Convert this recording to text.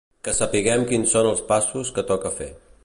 Que sapiguem quins són els passos que toca fer.